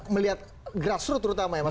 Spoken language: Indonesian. melihat grassroot terutama ya mas